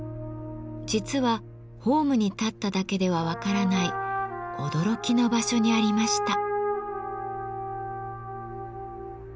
実はホームに立っただけでは分からない驚きの場所にありました。